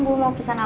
gue mau pesan apa